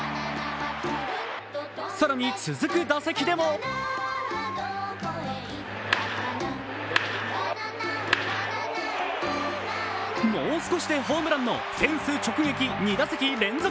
更に続く打席でももう少しでホームランのフェンス直撃２打席連続